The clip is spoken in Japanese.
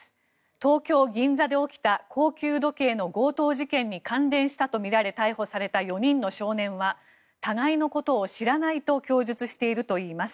東京・銀座で起きた高級時計の強盗事件に関連したとみられ逮捕された４人の少年は互いのことを知らないと供述しているといいます。